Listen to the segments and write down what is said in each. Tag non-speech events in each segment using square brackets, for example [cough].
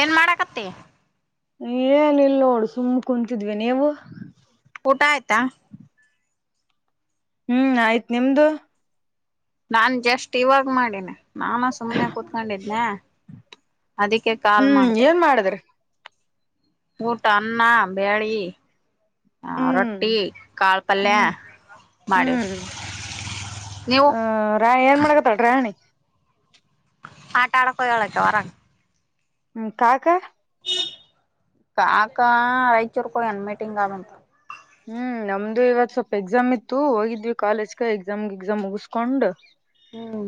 ಏನ್ ಮಾಡಕತ್ತ ಏನಿಲ್ಲ ನೋಡು ಸುಮ್ ಕುಂತಿದ್ವಿ ನೀವು ಊಟ ಆಯ್ತಾ ಹ್ಮ್ ಆಯ್ತ್ ನಿಮ್ದು ನಾನ್ ಜಾಸ್ಟ್ ಇವಾಗ್ ಮಾಡೇನೆ ನಾನ ಸುಮ್ಮ್ನೆ ಕುೂತ್ಕೊಂಡಿದ್ದನೆ ಅದಕ್ಕೆ ಕಾಲ್ ಹ್ಮ್ ಮಾಡ್ದ ಏನ್ ಮಾಡಿದ್ರಿ ಊಟ ಅನ್ನ ಬ್ಯಾಳಿ ಹ್ಮ್ ಹ್ಮ್ ಮಾಡಿವಿ ಹ್ಮ್ ನೀವು ಹ ರ ಏನ್ ಮಾಡಕತ್ತಲ್ ರಾಣಿ ಹಟಡ ಕೊಯಿಳಕ್ಕ ವರ ಹ್ಮ್ ಕಕಾ ಕಕಾ ಆಐಚುರ್ಕನ್ ಮೀಟಿಂಗ್ ಆಗಂತ ಹ್ಮ್ ನಮ್ದು ಇವತ್ ಸ್ವಲ್ಪ ಎಕ್ಸಾಮ್ ಇತ್ತು ಹೋಗಿದ್ವಿ ಕಾಲೇಜ್ಗೆ ಎಕ್ಸಾಮ್ಗೆ ಎಕ್ಸಾಮ್ ಮುಗಸ್ಕೊಂಡ್ ಹ್ಮ.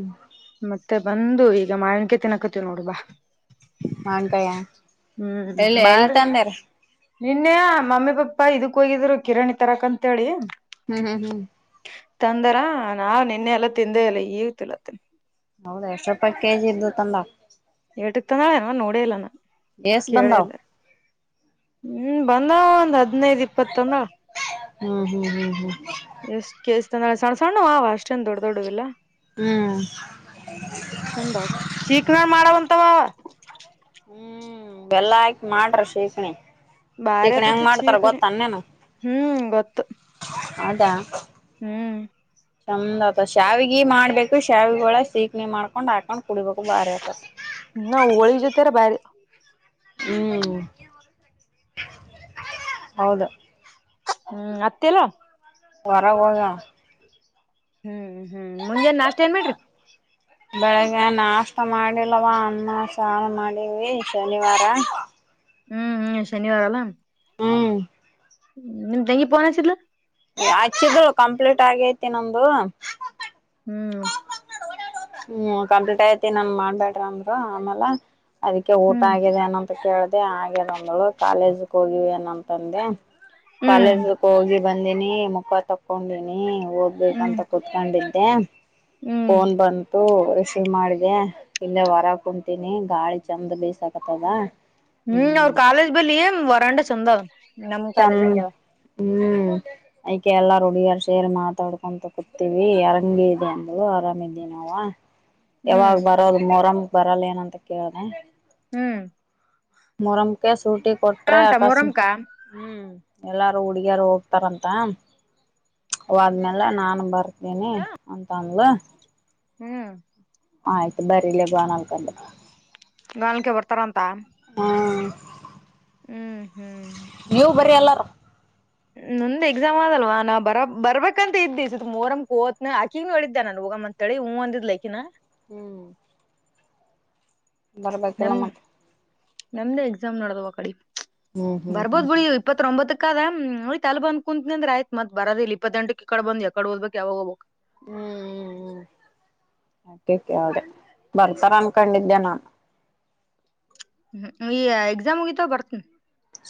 ಮತ್ತೆ ಬಂದು ಈಗ ಮಾವಿನಕಾಯಿ ತಿನ್ನಾಕತ್ತೀವವಿ ನೋಡುಬಾ. ಮಾವಿನಕಾಯಿ ಎಲ್ಲಿ ಎಲ್ಲಿ ಬಾರಿ ತಂದಿರಿ. ನಿನ್ನೆ ಮಮ್ಮಿ ಪಾಪ್ಪಾ ಇದಕ್ ಹೋಗಿದ್ರು. ಕಿರಾಣಿ ತರಾಕ ಅಂತ ಹೇಳಿ. ಹ್ಮ್ ಹ್ಮ್ ಹ್ಮ್. ತಂದರ ನಾ ನಿನ್ನೆ ಎಲ್ಲ ತಿಂದೇ ಇಲ್ಲ ಈಗ ತಿನ್ನತೇವಿ. ಹೌದ ಎಷ್ಟ್ ರೂಪಾಯಿ ಕೆಜಿ ಇದ್ದ ತಂದ. ಇಟ್ಟಕ್ಕ ತಂದಳ ನೋಡೇ ಇಲ್ಲಾನ. ಎಸ ಬಂದಾವ. ಹ್ಮ್ ಬಂದಾವ ಒಂದ್ ಹತ್ತ. ಹದಿನೈದು ಇಪ್ಪತ್ ತಂದಾಳ ಹ್ಮ್ ಹ್ಮ್ ಹ್ಮ್ ಎಸ್ಟ್ ಎಸ್. ಚಂದ ಸಣ್ಣ ಸಣ್ಣ ಆವ ಅಷ್ಟೇಂದು ದೊಡ್ಡ ದೊಡ್ಡುದಿಲ್ಲ. ಹ್ಮ್ ಹ್ಮ್ ಚಂದಾವ ಚೀಕ್ನ ಮಾಡಂತಾವ. ಹ್ಮ್ ಎಲ್ಲಾ ಆಯ್ತು ಮಾಡ್ರಿ ಶಿಕರಣಿ. ಬಾರಿ ಆತ ಶಿಕಣಿ ಹ್ಮ್ ಗೊತ್ತು. ಹೌದಾ. ಹ್ಮ್. ಚಂದ್ ಆತ ಶ್ಯಾವಿಗೆ ಮಾಡ್ಬೇಕು ಶ್ಯಾವಿಗೆ ಒಳ ಸೀಕ್ಣಿ ಮಾಡ್ಕೊಂಡ್ ಹಾಕೊಂಡ. ನ ವಳಿಜತಾರ ಬಾರಿ. ಹ್ಮ್ ಹೌದ. ಹ್ಮ್ ಅತ್ತಿಲ್ಲ. ಹೊರಗ ಹೋಗ್ಯಾಳ. ಹ್ಮ್ ಹ್ಮ್ ಮುಂಜಾನೆ ನಾಷ್ಟ ಏನ್ ಮಾಡ್ರಿ. ಬೆಳಗ್ಗೆ ನಾಷ್ಟ ಮಾಡಿಲ್ಲವ ಅಣ್ಣ ಸಾರು ಮಾಡೀವಿ ಶನಿವಾರ. ಹ್ಮ್ ಹ್ಮ್ ಶನಿವಾರ ಅಲ್ಲ. ಹ್ಮ್. ಹ್ಮ ನಿ ತಂಗಿ ಪೋನ ಹಚ್ಚಿಡ್ಲ. ಹಚಿಡ್ಲ ಕಂಪ್ಲೀಟ್. ಊಟ ಆಗೇತಿ ನಮ್ದು. ಹ್ಮ್. ಹ್ಮ್ ಕಂಪ್ಲೀಟ್ ಐತಿ ನಮ ಮಾಡ್ಬ್ಯಾಡ್ರ ಅಂದ್ರು ಆಮೇಲೆ. ಅದಕ್ಕೆ ಊಟ ಹ್ಮ್ ಆಗಿದೆನ. ಕೇಳ್ದ ಹಾಗೇದ ಒಂದ್ಳು ಕಾಲೇಜಕ್ ಹೋಗಿವ ಏನಂತಂದೆ ಹ್ಮ್ ಕಾಲೇಜಕ್ ಹೋಗಿ ಬಂದಿನಿ ಮುಖ ತಕ್ಕೊಂಡಿನಿ. ಓದ್ಬೇಕ ಹ್ಮ್ ಅಂತ ಕುತ್ಕೊಂಡೀನಿ. ಏನ್. ಹ್ಮ್ ಫೋನ್ ಬಂತು. ರಿಸೀವ್ ಮಾಡಿದೆ ಇಲ್ಲೇ ಹೊರ ಕುಂತೀನಿ ಗಾಳಿ ಚೆಂದ ಬೀಸಾಕತ್ತದ. ಹ್ಮ್ ಅವ್ರ ಕಾಲೇಜ್ ಬಳ್ಳಿ ಏ ವರಾಂಡ ಚಂದವ್ರ. ನಮ್ ತನ್ ಕಾಲೇಜ್ ಹಂಗೆವ ಹ್ಮ್ ಅಯ್ಕ ಎಲ್ಲಾರ ಹುಡುಗಿಯರ್ ಸೇರಿ ಮಾತಾಡ್ಕೊಂತ ಕುತ್ತಿವಿ ಎಂಗ್ ಇದೀ ಅಂದಳು ಆರಾಮಿದಿನವ್ವ. ಯಾವಾಗ ಹ್ಮ್ ಬರೋದು ಮೊರಂ ಬರಲ್ಲ ಏನಂತ ಕೇಳಿದೆ? ಹ್ಮ್ ಮೊರಂ ಕೇಸ್ ಚೂಟಿ ಕೊಟ್ರೆ ಅಂತ ಅಕಸ್ಮ ಮೊರಮ್ಕ ಹ್ಮ್. ಎಲ್ಲಾರು ಹುಡ್ಗಿಯಾರ ಹೋಗ್ತಾರಂತ ಹೊದ್ಮೇಲೆ ನಾನು ಬರ್ತ ನೆ ಅಂತ ಅಂದ್ಳು. ಹ್ಮ್ ಆಯ್ತು ಬರೀಲಿ [unintelligible] ಅನ್ಕೊಂಡು. ನಾಲ್ಕೇ ಬರ್ತಾರಂತ. ಹ್ಮ್ ಹ್ಮ್ ನೀವು ಬರಿ ಅಲ್ಲ [unintelligible] ನಂದ ಎಕ್ಸಾಮ್ ಆದಲ್ವಾ ನಾ ಬರ ಬರ್ಬೇಕಂತ ಇದ್ದಿ ಇಸತ್ ಮೋರಮ್ ಕೋತ್ನ ಆಕಿಗ್ ನೂ ಹೇಳಿದ್ದೆ ನಾನ್ ಹೋಗಂ ಅಂತೇಳಿ ಹೂಂ ಅಂದಿದ್ಲ ಅಕಿನ. ಹ್ಮ್ ಬರ್ಬೇಕಿಲೋ ನಮ್ ಮತ್ತ್ ನಮ್ದೇ ಎಕ್ಸಾಮ್ ನಾಡದಾವ್ ಅಕಡಿ. ಹ್ಮ್ ಹ್ಮ್ ಹ್ಮ್ ಬರ್ಬೋದ್ ಬಿಡಿ ಹ್ಮ್ ಇಪ್ಪತ್ತ್ರೊಂಬತ್ ಅದಕ ಅದ ಅದಕ ಅಲ್ಲಿ ಬಂದ್ ಕುಂತ್ನಿ ಅಂದ್ರ ಆಯತ್ ಬರದ ಇಲ್ಲಿ ಇಪ್ಪತ್ತೆಂಟಕ್ ಇಕಡಿ ಬಂದ್ ಎಕಡ್ ಓದ್ಬೇಕ್ ಯಾವಾಗ ಹೋಗ್ಬೇಕ. ಹ್ಮ್ ಹ್ಮ ಹ್ಮ ಅದ್ಕೆ ಕೇಳ್ದೆ ಬರ್ತಾರ ಅನ್ಕೊಂಡಿದ್ದೆ ನಾ ಹ್ಮ ಈ ಎಕ್ಸಾಮ್ಮ್ ಮುಗಿತಾವ್ ಬರ್ತನ.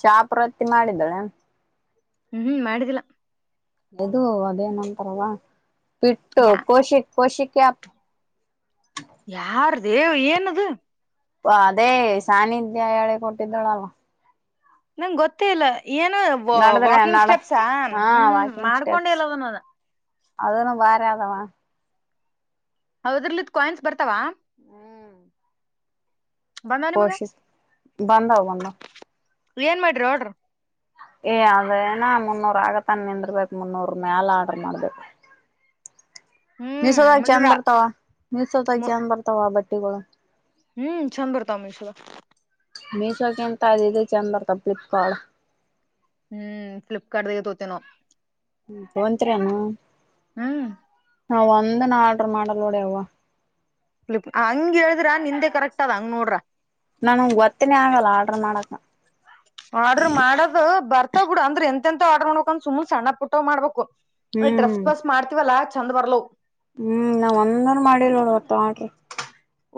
ಶಾಪ್ರ ಅತ್ತಿ ಮಾಡಿದ್ಲೇನ್? ಉಹುಂ ಮಾಡಿದಿಲ್ಲ. ಇದು ಅದು ಎನಂತರವಾ. ಬಿಟ್ಟು ಯಾ ಕೋಶಿಕ್ ಕೋಶಿಕ್ [unintelligible] ಯಾರ ದೇವ್ ಏನದು. ಹ ಅದೇ ಸಾನಿಧ್ಯ ಹೇಳಿ ಕೊಟ್ಟಿದ್ದಳಲ್ಲ. ನಂಗ್ಗ್ ಗೊತ್ತೇ ಇಲ್ಲ. ಏನು ವ ನಡದ್ರೆ ವಾಕಿಂಗ್ ನಡ ಸ್ಟೆಪ್ಸಾ ಹ್ಮ್ ಹಾ ಹ್ಮ ಮಾಡ್ಕೊಂಡ ಇಲ್ಲದನ್ನದ. ಅದನೂ ಬಾರಿ ಆದವಾ. ಔದರ್ಲಿತ ಕಾಯಿನ್ಸ್ ಬರ್ತಾವ? ಹ್ಮ್ ಬಂದಾವ ನಿಮಗ ಕೊಶಿಕ್ ಬಂದವ ಬಂದವ. ಏನ್ ಮಾಡ್ರಿ ಆರ್ಡ್ರ? ಏ ಅದೇನ ಮುನ್ನೂರ್ ಆಗತ್ತನ್ ನಿಂದ್ರಬೇಕ ಮುನ್ನೂರ್ ಮ್ಯಾಲ ಆರ್ಡ್ರ ಮಾಡ್ಬೇಕ. ಹ್ಮ್ ಮೀಿಸೋದಾಗ ಚಂದ್ ಮುನ್ನೂರ ಬರ್ತಾವ ಮೀಿಸೋದಾಗ ಮ ಚಂದ ಬರ್ತಾವ ಬಟ್ಟೆ [unintelligible] ಹ್ಮ್ ಚಂದ ಬರ್ತ ಮಿಷುದಾಗ ಮೀಶೋಗೆ ಎಂತ ಅದ ಇದೆ ಚಂದರ್ತ ಫ್ಲಿಪ್ಕಾರಾರ್ಡ್ ಹ್ಮ್ ಫ್ಲಿಪ್ಕಾರ್ಟ್ ದಾಗ ತೋತನೋ ತೋತ್ರಿನು ಹ್ಮ್ ನಾ ಒಂದು ನಾಡ್ ರ್ ಮಾಡಲ್ಡ ಫಪ್ ಹಂಗ ಹೇಳಿದ್ರ ನಿಂದೆ ಕರೆಕ್ಟ್ ಅದ ಹಂಗ್ ನೋಡ್ರ ನಾನ ಒತ್ತಿನೇ ಆಗಲ್ಲ ಆರ್ಡ್ರ ಮಾಡಕ್ ಆರ್ಡ್ರ ಮಾಡದು ಬರ್ತಾ ಬಿಡ ಅಂದ್ರೆ ಎ ಅಂತ ಆರ್ಡ ನೋಕೊಂಡು ಸುಮ ಸಣ್ಣ ಪುಟ್ಟ್ ಮಾಡ್ಬೇಕು ಹ್ಮ್ ಡ್ರೆಸ್ ಪಸ್ ಮಾಡ್ತೀವಲ್ಲಾ ಚಂದ ಬರಲ ಹ್ಮ್ ನಾವ ಒಂದೂರ್ ಮಾಡಿಲ್ ನಡವತ್ತು ಮಾಡ್ರಿ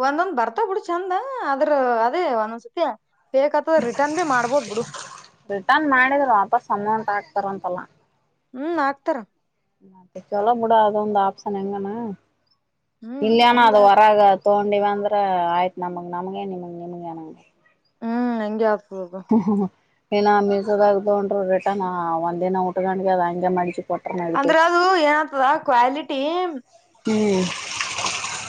ಒಂದೊಂದ್ ಬರ್ತಾ ಬಿಡೂ ಚೆಂದ ಅದ್ರ ಅದೇ ಒಂದೊಂದ್ಸತಿ ಫೇಕ್ ಆತದ ರಿಟರ್ನ್ ಬಿ ಮಾಡ್ಬೋದ್ ಬಿಡು ರಿಟರ್ನ್ ಮಾಡಿದ್ ವಾಪಸ್ ಸಮನ್ ಸಾಗ ಪಾರಮ ಪಲ್ಲ ಹ್ಮ್ ಹಾಕ್ತಾರ ನ ಚಲ ಮುಡ ಅ ಒಂದು ಆಪ್ಷನ್ ಎಂಗಾನ ಹ್ಮ್ ಇಲ್ಲಯಾನ ಚಂದ ಅದು ಆದ ಹೊರಗ ತಗೊಂಡಿವ ಅಂದ್ರ ಆಯ್ತು ನಮಗ್ ನಮಗೆ ನಿಮಗೆ ನಿಮಗೆ ಅನಗೆ ಹ್ಮ್ ಹೆಂಗೆ ಹ್ಮ ಹ ನ ಮೀಸೋದಾಗ ತಗೊಂಡ್ರು ರಿಟರ್ನ್ ಒಂದ ದಿನ ಊಟಕೊಂಡಗೆ ಅದ ಹಂಗೆ ಮಾಡಚ ಅಂದ್ರೆ ಅದು ಏನತದ ಕ್ವಾಲಿಟಿ ಹ್ಮ್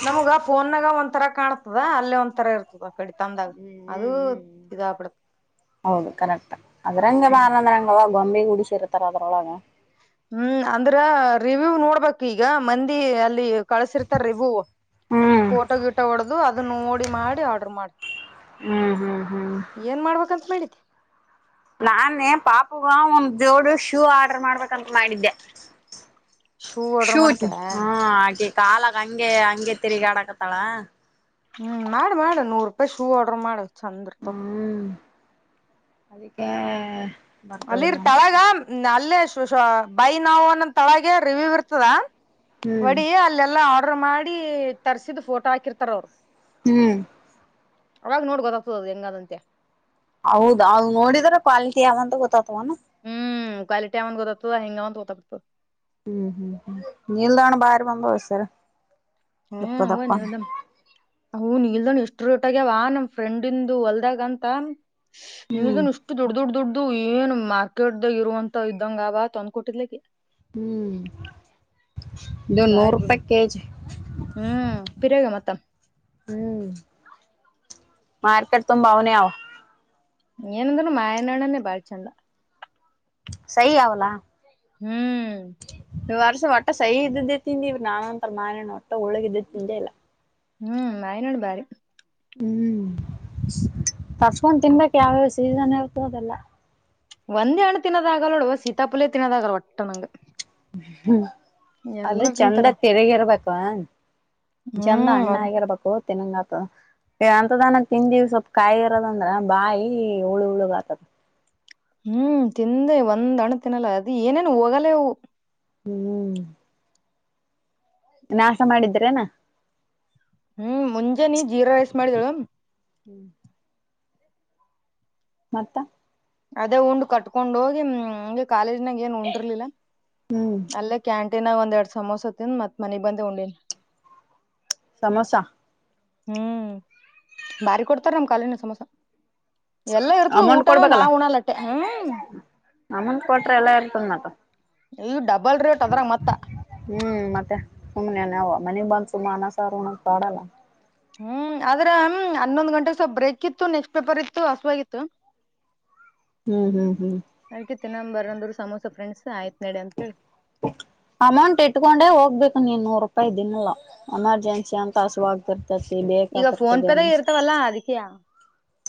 ನಮಗ ಫೋನ್ಗ ಒಂಥರ ಕಾಣ್ತದ ಅಲ್ಲೇ ಒಂಂತರ ಇರ್ತದ ಕಡಿ ತಂದಾಗ ಹ್ಮ ಅದು ಹ್ಮ್ ಹ್ಮ ಇದಾಗಬಿಡ್ತ ಹೌದು ಕರೆಕ್ಟ್ ಅದ್ರಂಗಗೆ ಬಂದ್ರಂಗ ಹ ಬಂಬೆ ಗೂಡಿ ಸರ್ತಾರ ಅದ್ರೊಳಗೆ ಹ್ಮ್ ಅಂದ್ರ ರಿವ್ಯೂ ನೋಡ್ಬೇಕು ಈಗ ಮಂದಿ ಅಲ್ಲಿ ಕಳಸಿರ್ತಾರ ರಿವ್ಯೂ ಹ್ಮ್ ಫೋಟೋ ಗಿಟೋ ಹೊಡದು ಅದನ್ನ ನೋಡಿ ಮಾಡಿ ಆರ್ಡರ್ ಮಾಡ ಹ್ಮ್ ಹ್ಮ್ ಹ್ಮ್ ಏನ್ ಮಾಡ್ಬೇಕಂತ ಮಾಡತಿ ನಾನೇ ಪಾಪುಗ ಒಂದ ಜೋಡು ಶೂ ಆರ್ಡರ್ ಮಾಡ್ಬೇಕಂತ ಮಾಡಿದ್ದೆ ಶೂ ಆರ್ಡರ್ ಶು ಮಾಡ್ತೀಯ ಹಾ ಆಗೆ ಕಾಲಕ್ಕ ಹಂಗೆ ಹಂಗೆ ತಿರುಗಿ ಆಡಕತ್ತಾಳ ಹ್ಮ್ ಮಾಡ ಮಾಡ ನೂರ್ ರೂಪಾಯಿ ಶೂ ಆರ್ಡ್ರರ್ ಮಾಡ ಚಂದ್ರತ ಹ್ಮ್ ಅದಕ್ಕೆ ಬರ್ತವಿಲ್ಲ ಅಲ್ಲಿರ್ ಅಂತ ತಳಗ ನಲ್ಲೆ ಅಶು. ಬೈ ನಾವು ಅನ್ನಂತಳಗೆ ರಿವ್ಯೂ ಇರ್ತದ. ಹ್ಮ್ ವಡಿ ಅಲ್ಲೆಲ್ಲಾ ಆಟ್ ಮಾಡಿ ತರ್ಸಿದ್ ಫೋಟೋ ಹಾಕಿರ್ತಾರ ಅವ್ರು. ಹ್ಮ್ ಅವಾಗ್ ನೋಡ್ ಗೊತ್ತಾಗ್ತದ ಅದ್ ಹೆಂಗ್ ಅನ್ಸುತ್ಯ. ಹೌದ್ ನೋಡಿದ್ರೆ ಕ್ವಾಲಿಟಿ ಯಾವ್ದಂತ ಗೊತ್ತಾತ್ವನ. ಹ್ಮ್ ಕ್ವಾಲಿಟವ ಅಂದ ಗೊತ್ತತದ ಹಿಂಗವ ಅಂತ್ ಗೊತಾಗ್ತದ. ಹ್ಮ್ ನಿಲ್ದಾಣ ಭಾರಿ ಬಂಬುಸರ. ಹು ನಾವ ನಿಲ್ದಾಣ್ ಅವ್ನ್ ನಿಲ್ದಾಣ್ಣ ಎಷ್ಟ್ ಷ್ಟಟಗ್ಯಾವ ನಮ್ ಫ್ರೆಂಡಂದು ಹೊಲ್ದಾಗ ಅಂತ. ಹ್ಮ್ ನೀವುಗ ಇಷ್ಟು ದೊಡ್ ದೊಡ್ಡ ದೊಡ್ ಇದು ಏನ್ ಮಾರ್ಕೆಟ್ದಾಗ್ ಇರುವಂತ ಇದಂಗವ ತಂದ್ ಕೊಟ್ಟಿದ್ಲಿಕಿ. ಹ್ಮ್ ಇದು ನೂರು ಬರ್ಬ ರೂಪಾಯಿ ಕೆಜಿ ಹ್ಮ್ ಪಿರಾಗ್ಯ ಮತ್ತ. ಹ್ಮ್ ಮಾರ್ಕೆಟ್ ತುಂಬ ಅವ್ನೆ ಅವ್. ಏನಂದ್ರೂ ಮಾಯನ್ಣನೇ ಬಾಳ್ಚಂದ. ಸೈ ಆವ್ಲಾ. ಹ್ಮ್ ಇ ವರ್ಷ ಒಟ್ ಸಹಿ ಇದ್ದೆ ತಿಂದಿವಿ. ನಾನೊಂತ ಮಾರಣ ಒಟ್ಟ ಒಳಗಿದ್ದ ತಿಂದೆ ಇಲ್ಲ. ಹ್ಮ್ ನಯ್ ನೋಡ್ ಬಾರಿ. ಹ್ಮ್ ತರ್ಸ್ಕೊಂಡ್ ತಿನ್ಬೇಕ್ ಯಾವ್ಯಾವಸ್ ಸೀಸನ್ ಹೇಳ್ತದೆಲ್ಲ. ಒಂದೇ ಹಣ್ಣು ತಿನ್ನೋದಾಗಲ್ಲ ನೋಡು ಸೀತಾಪುಲ್ಲೇ ತಿನ್ನೋದಾಗಲ್ ಒಟ್ಟ ನಂಗ. ಹ್ಮ ಹ ಅದು ಎಲ್ಲಾರ ಚಂದ ತಿಂತಾರ ತಿರಗಿರ್ಬೇಕು. ಬನ್ ಜಂದ ಹ್ಮ್ ಅಣ್ಣ ಒಂದ್ ಆಗಿರ್ಬೇಕು. ತಿನ್ನಂಗ ಆತದ ಎಂಥದನ ತಿಂದಿವಿ ಸ್ವಲ್ಪ ಕಾಯಿ ಇರದಂದ್ರ ಬಾಯಿ ಹುಳು ಉುಳುಗ್ ಆತದ. ಹ್ಮ್ ತಿಂದೆ ಒಂದ್ ಹಣ್ ತಿನ್ನಲ್ಲ ಅದ್ ಏನೇನು ಹೋಗಲ್ಲೇವು. ಹ್ಮ್ ನಾಶ ಮಾಡಿದ್ರೇನಾ ಹ್ಮ್ ಮುಂಜಾನ ಜೀರಾ ರೈಸ್ ಮಾಡಿದಳ. ಹ್ಮ್ ಮತ್ತ ಅದೇ ಉಂಡ್ ಕಟ್ಕೊಂಡ್ ಹೋಗಿ ಇಂಗ್ ಕಾಲೇಜ್ ಅಂಗ್ ಏನ್ ಉಂಡಿರ್ಲಿಲ್ಲ ಹ್ಮ್ ಅಲ್ಲೇ ಕ್ಯಾನ್ ಟ್ಟಿನಾಗ ಒಂದೆರಡ್ ಸಮೋಸ ತಿನ್ ಮತ್ ಮನಿಗ್ ಬಂದೆ ಉಂಡೀನ್ ಸಮೋಸಾ ಹ್ಮ್ ಬಾರಿ ಕೊಡ್ತಾರ ನಮ್ ಕಾಲಿಜ್ನ ಸಮೋಸ. ಎಲ್ಲಾ ಇರ್ತದ ಅಮೌಂಟ್ ಊಟನು ನಾ ಕೊಡ್ಬೇಕಲ್ಲ ಉಣಲ್ಲಟ್ಟೆ ಹ್ಮ್ ಅಮೌಂಟ್ ಕೊಟ್ರ ಎಲ್ಲ ಇರ್ತದ ಮತ್ತ. ಇ ಡಬಲ್ ರೇಟ್ ಅದ್ರಗ್ ಮತ್ತ ಹ್ಮ್ ಮತ್ತೆ ಸುಮ್ನೆ ನಾವು ಮನೆಗ್ ಬಂದ್ ಸುಮ್ ಅನ್ನ ಸಾರ್ ಉಣ್ಣದ್ ಪಾಡಲ್ಲ. ಹ್ಮ್ ಆದ್ರೆ ಹನ್ನೊಂದ್ ಗಂಟೆಗೆ ಸ್ವಲ್ಪ ಬ್ರೇಕ್ ಇತ್ತು ನೆಕ್ಸ್ಟ್ ಪೇಪರ್ ಇತ್ತು ಹಸುವಾಗಿತ್ತು ಹ್ಮ್ ಹ್ಮ್ ಹ್ಮ್ ಅಂದ್ರು ಸಮೋಸ ಫ್ರೆಂಡ್ಸ್ ಆಯ್ತ್ ನಡಿ ಅಂತ ಹೇಳಿ ಅಮೌಂಟ್ ಇಟ್ಕೊಂಡೆ ಹೋಗ್ಬೇಕು ನೀನ್ ನೂರು ರೂಪಾಯಿ ದಿನಲ್ಲ ಎಮರ್ಜೆನ್ಸಿ ಅಂತ ಹಸುವಾಗ್ತರ್ ಈಗ ಫೋನ್ ಪೇ ದಾಗ ಇರ್ತವಲ್ಲಾ ಅದಿಕೆಯ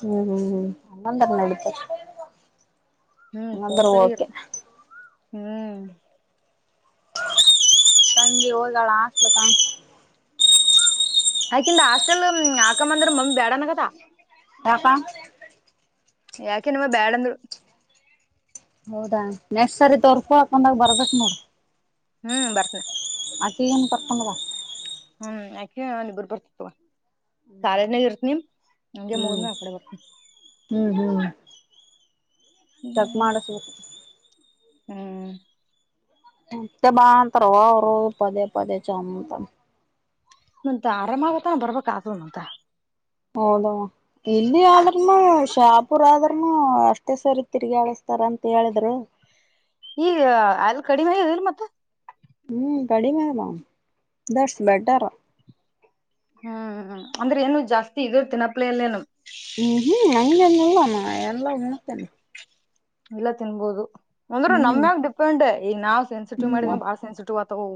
ಹ್ಮ್ ಹ್ಮ್ ಹ್ಮ್ ಅಂದ್ರೆ ನಡಿತದ್ ಹ್ಮ್ ಫೋನ್ ಹಂಗಂದ್ರೆ ಪೇದಾಗ ಓಕೆ. ಇರ್ತ ಹ್ಮ್ ತಂಗಿ ಹೋಗಳ ಹಾಸ್ಟ್ಲಕ? ಅಕಿಂದ ಹಾಸ್ ಸ್ಟಲ ಆಕ ಮಂದರ ಮಮ್ಮಿ ಬ್ಯಾಡನ್ನಕತ್ತಾಳ. ಯಾಕಾ ಯಾಕೆ ನಮ್ಮ ಬ್ಯಾಡ ಅಂದ್ರು ಹೌದಾ ನೆಕ್ಟ್ ಸರಿ ತೋರ್ಕೊ ಹಾಕೊಂಡಾಗ ಬರ್ಬೇಕ್ ನೋಡ್ ಹ್ಮ್ ಬರ್ತನ ಅಕ್ಕಿ ಏನು ಕರ್ಕೊಂಡ ಬಾ. ಹ್ಮ್ ಯಾಕೆ ಇಬ್ಬರು ಬರ್ತಿತ್ವ ಕಾಲೇಜನಾಗ ಇರ್ತ್ನೀ. ಹಂಗೆ ಮುಗ್ದ್ ಹ್ಮ್ ಮ್ಯಾಗ್ ಆಕಡೆ ಬರ್ತನ್ ಹ್ಮ್ ಹ್ಮ್ ತಕ್ ಹ್ಮ್ ಮಾಡಸಬೇ ಹ್ಮ್ ಮತ ಬಾಂತರವಾ ಅವ್ರು ಪದೇ ಪದೇ ಚಾಮಂತಮ್ ನಂತ ಆರಾಮ ಆಗ್ಬಕನ ಬರ್ಬೇಕ್ ಆದು ನಂತ ಹೌದವಾ ಇಲ್ಲಿ ಆದ್ರನು ಶಾಪುರ ಆದ್ರನು ಅಷ್ ಮತ್ತೆ ಸರಿ ತಿರ್ಗಿ ಆಳಸ್ತಾರ ಅಂತ ಹೇಳಿದ್ರು ಈಗ ಅಲ್ ಕಡಿಮೆ ಅಗಿದಿಲ್ ಮತ್ತ? ಹ್ಮ್ ಕಡಿಮೆಲ ದಷ್ಟ್ ಬೆಟರ್ ಹ್ಮ್ ಅಂದ್ರೆ ಏನು ಜಾಸ್ತಿ ಇದ್ರ ತಿನ್ನಪ್ಲ ಲ್ಲೇನು ಹ್ಮ್ ಹ್ಮ್ ಹಂಗಂಗಲ್ಲಾನ ಎಲ್ಲ ಉಣ್ತೆನಿ. ಇಲ್ಲ ತಿನ್ಬೋದು ಅಂದ್ರೂ ಹ್ಮ್ ನಮ್ಯಾಗ ಡಿಪೆಂಡ್ ಈಗ ನಾವ್ ಸೆನ್ಸಿಟಿವ್ ಮಾಡಿದ ಹ್ಮ್ ಬಾಳ ಸೆನ್ಸಿಟಿವ್ ಆತಾವವ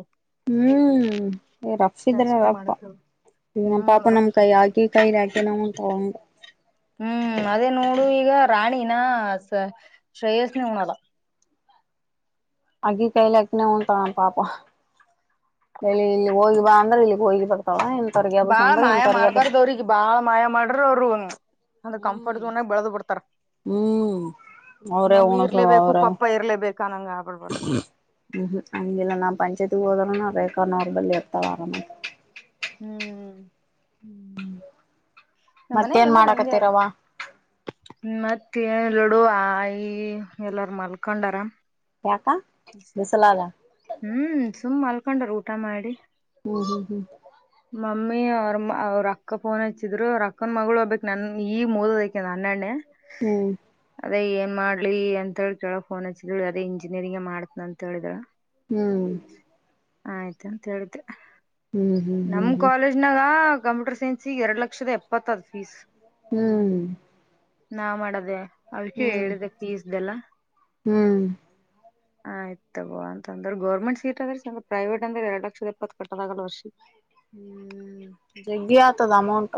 ರಫಿದ್ರ ರಪ್ಪ ಈ ನಮ್ಮ ಹ್ಮ್ ಪಾಪ ನಮ ರಫ್ ಕೈ ಹಾಕಿ ಕೈಲಿ ಹಾಕಿ ನಮ ತಗೊಂಡ ಹ್ಮ್ ಅದೇ ನೋಡು ಈಗ ರಾಣಿನ ಶ್ರೇಯಸ್ನ ಹುಣಲ್ಲ. ಅಗಿ ಕೈಲಿಕ್ಕನೇ ಉಂಟಳ ಪಾಪ ಹೇಳಿ ಇಲ್ಲಿ ಹೋಗಿ ಬಾ ಅಂದ್ರೆ ಇಲ್ಲಿ ಹೋಗಿ ಬರ್ತಳ. ಬಾಳ ಮಾಯ ಮಾಡ್ಬಾರ್ದ ಅವ್ರಿಗೆ ಬಾಳ್ ಮಾಯ ಮಾಡ್ರ ಅವರುನ್. ಹ್ಮ್ ಹ್ಮ್ ಅವ್ರೇ ಮಮ್ಮಿ ಹುಣಸ ಇರ್ಲೇಬೇಕು ಅವ್ರೆ ಅವ್ರ್ ಪಪ್ಪ ಇರ್ಲೇಬೇಕು ಅನ್ನಂಗ ಆಗ್ಬಿಡ್ಬಾರ್ದು ಹ್ಮ ಹಂಗಿಲ್ಲ ನಾವ್ ಪಂಚಾಯತಿಗ್ ಹೋದಾರ ನ. ಬೇಕ ನೋರ್ಬಲ್ಲಿ ಯಾತಾಳ [unintelligible] ಹ್ಮ್ ಹ್ಮ್ ನಮ್ ಮನೆಗೆ ಎಲ್ಲಾರ ಹಿಂಗೆ ಅದ ಮತ್ತೆ. ಏ ಲಡುವ ಆಯಿ ಎಲ್ಲಾರ ಮಲ್ಕೊಂಡಾರ. ಯಾಕ ಬಿಸಲಾಲ ಕೊಂಡ್ರ ಊಟ ಮಾಡಿ. ಹ್ಮ ಹ್ಮ್ ಹ್ಮ ಮಮ್ಮಿ ಅವ್ರ ಅವ್ರ ಅಕ್ಕ ಫೋನ್ ಹಚ್ಚಿದ್ರು ರಕ್ಕನ ಮಗಳು ಹೋಗ್ಬೇಕು ನನ್ ಈಗ್ ಮುಗ್ದದ್ ಆಕಿ. ಅನನ್ಯ ಅದೇ ಏನ್ ಮಾಡ್ಲಿ ಅಂತೇಳಿ ಕೇಳ ಫೋನ್ ಹಚ್ಚಿ ಅದೇ ಇಂಜಿನಿಯರಿಂಗ ಮಾಡ್ತ್ನ ಅಂತ ಹೇಳಿದಳ. ಹ್ಮ್ ಆಯ್ತ ಅಂತ ಹೇಳ್ದೆ. ಹ್ಮ್ ಹ್ಮ್ ಹ್ಮ್ ನಮ್ ಕಾಲೇಜ್ನಾಗ ಕಂಪ್ಯೂಟರ್ ಸೈನ್ಸ್ ಸಿ ಎರಡ್ ಲಕ್ಷದ ಎಪ್ಪತ್ತದ ಫೀಸ್. ಹ್ಮ್ ನಾ ಮಾಡದೆ. ಹ್ಮ್ ಹ್ಮ್ ಅದಿಕೆ ಹ್ಮ್ ಹೇಳಿದೆ ಫೀಸ್ ಎಲ್ಲಾ. ಹ್ಮ್ ಆ ಆಯ್ತ ಗೊ ಅಂತ ಅಂದ್ರೆ ಗೌರ್ಮೆಂಟ್ ಸೀಟ್ ಆದ್ರೆ ಸ ಪ್ರೈವೇಟ್ ಅಂದ್ರೆ ಎರಡ್ ಲಕ್ಷದ ಎಪ್ಪತ್ ಕಟ್ಟದಾಗಲ್ಲ ವರ್ಷಿ. ಹ್ಮ್ ಜಗಿಯತದ ಅಮೌಂಟ.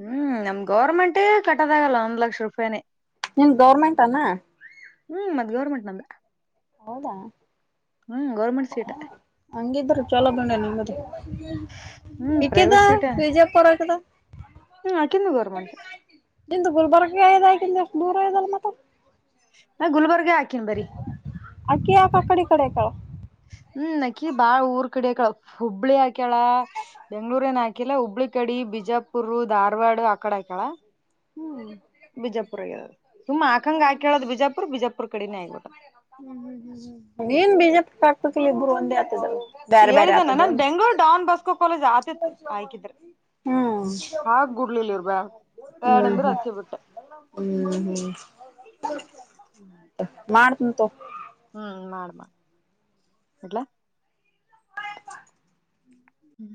ಹ್ಮ್ ನಮ್ ಗೌರ್ಮೆಂಟೇ ಕಟ್ಟೋದಾಗಲ್ಲ ಒಂದ್ ಲಕ್ಷ ರೂಪಾಯ್ನೇ. ನಿಮ್ ಗೌರ್ಮೆಂಟ್ ಅನಾ. ಹ್ಮ್ ಮದ್ ಗೌರ್ಮೆಂಟ್ ನಂದ. ಹೌದಾ ಗೌರ್ಮೆಂಟ್ ಸೀಟ್ ಹಂಗಿದ್ರ್ ಚಲೋ ದೊಣ್ಣೆ ನಿಮ್ಮ್ದೇ ಹ್ಮ್ ಇಕಿದ ಪ್ರೈವೇಟ್ ಸೀಟ್ ಪಿಜೆ ಪರಕ ಹ್ಮ್ ಆಕಿಂದು ಗೌರ್ಮೆಂಟ್ ನಿಂದು ಗುಲ್ಬಾರಗ. [unintelligible] ದೂರ ಇದಲ್ಲ ಮತ್ತ. ಹ ಗುಲ್ಬರ್ಗ. ಹಾಕಿನ್ ಬರಿ ಆಕಿಯಾ ಕಡಿಕ್. ಕಡೆ ಕಳ್ ಹ್ಮ್ ನಕಿ ಬಾಳ ಊರ್ ಕಡೆ ಹಾಕಳ ಹುಬ್ಬಳಿ ಹಾಕ್ಯಳ ಬೆಂಗ್ಳೂರ ಏನ್ ಹಾಕಿಲ್ಲಾ ಹುಬ್ಳಿ ಕಡೆ ಬಿಜ ಪುರ್ ಧಾರವಾಡ ಆಕಡೆ ಹಾಕೇಳ ಬಿಜಾಪುರ ಆಗ ಸುಮ್ಮ ಆಕಂಗ ಹಾಕೇಳದು ಬಿಜಾಪುರ್ ಬಿಜಾಪುರ್ ಕಡಿನೇ ಆಗ್ಬಿಟ್ಟದ. ತುಕ್ಲಿ ಇಬ್ರು ಒಂದೇ ಆತ್ತೆದಲ್. ಹೇಳಿದಾನ ನನ್ ಬೆಂಗ್ಳೂರ್ ಡೌನ್ ಬಾಸ್ಕೋ ಕಾಲೇಜ್ ಆತಿತ್ತು ಆಯ್ಕಿದ್ರೆ ಹ್ಮ್ ಹಾಗ್. ಗುಡ್ಲಿಲಿ ಇರ್ಬೇ ಬೇಡ ಹ್ಮ್ ಅಂದ್ರೆ ಅದಕ್ಕೆ ಬಿಟ್ಟೆ. ಹ್ಮ್ ಮಾಡ್ತೀನಿ ತೊಗೊ. ಹ್ಮ್ ಮಾಡ್ ಮಾಡ ಇಡ್ಲಾ. ಹ್ಮ್.